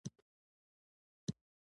رس د طبیعت تازهوالی ښيي